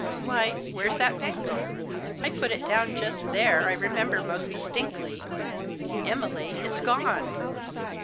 " Why, where's that bangle ? I put it down just there, I remember most distinctly. Emily, it's gone